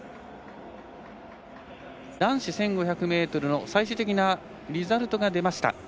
男子１５００ｍの最終的なリザルトが出ました。